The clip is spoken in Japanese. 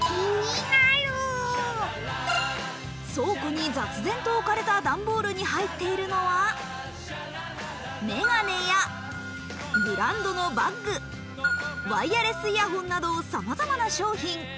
倉庫に雑然と置かれた段ボールに入っているのは眼鏡やブランドのバッグ、ワイヤレスイヤホンなどさまざまな商品。